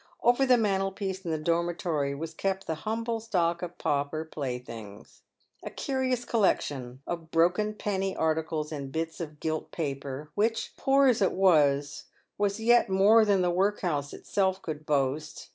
Over the mantelpiece in the dormitory was kept the humble stock of pauper playthings — a curious collection of broken penny articles and bits of gilt paper, which, poor as it was, was yet more than the workhouse itself could boast.